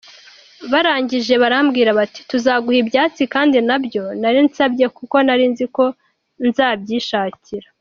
Barangije barambwira bati tuzaguha ibyatsi kandi ntabyo nari nsabye kuko nari nziko nzabyishakira.